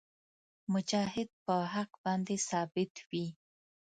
مجاهد په حق باندې ثابت وي.